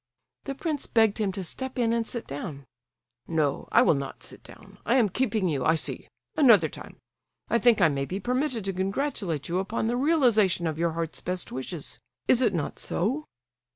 The prince begged him to step in and sit down. "No—I will not sit down,—I am keeping you, I see,—another time!—I think I may be permitted to congratulate you upon the realization of your heart's best wishes, is it not so?"